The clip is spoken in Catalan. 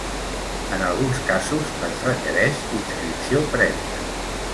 En alguns casos, es requereix inscripció prèvia.